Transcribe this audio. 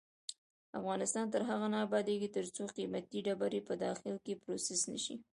افغانستان تر هغو نه ابادیږي، ترڅو قیمتي ډبرې په داخل کې پروسس نشي.